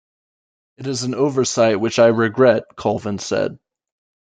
It is an oversight which I regret, Colvin said.